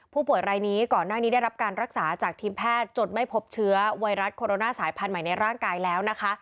ผู้ป่วยรายนี้ก่อนหน้านี้ได้รับการรักษาจากทีมแพทย์จนไม่พบเชื้อไวรัสโคโรนาสายพันธุ์ใหม่ในร่างกายแล้วนะคะ